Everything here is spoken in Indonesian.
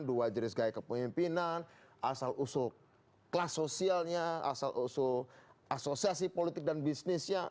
dua jenis gaya kepemimpinan asal usul kelas sosialnya asal usul asosiasi politik dan bisnisnya